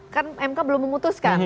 kan mk belum memutuskan